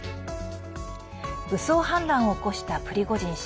武装反乱を起こしたプリゴジン氏。